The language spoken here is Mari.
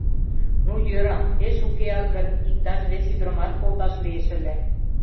Ну, йӧра, пеш укеак гын, иктаж вес ӱдырымат колташ лиеш ыле.